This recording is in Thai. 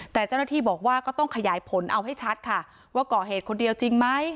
แต่เจ้าหน้าที่บอกว่าก็ต้องขยายผลเอาให้ชัดค่ะว่าก่อเหตุคนเดียวจริงไหม